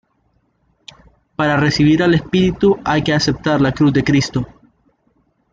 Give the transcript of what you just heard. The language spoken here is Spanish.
Para recibir al Espíritu hay que aceptar la Cruz de Cristo.